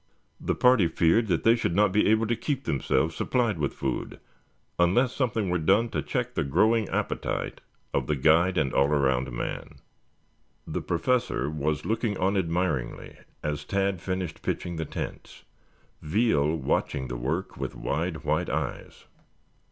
The party feared that they should not be able to keep themselves supplied with food unless something were done to check the growing appetite of the guide and all around man. The Professor was looking on admiringly as Tad finished pitching the tents, Veal watching the work with wide, white eyes.